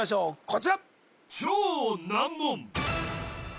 こちら